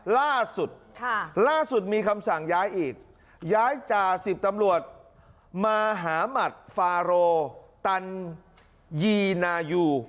ล่าสุดล่าสุดมีคำสั่งย้ายอีกย้ายจ่าสิบตำรวจมาหาหมัดฟาโรตันยีนายู